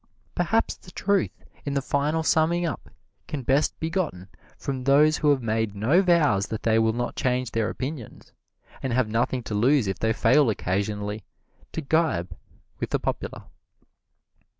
Perhaps the truth in the final summing up can best be gotten from those who have made no vows that they will not change their opinions, and have nothing to lose if they fail occasionally to gibe with the popular.